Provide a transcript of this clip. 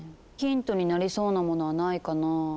ヒントになりそうなものはないかな。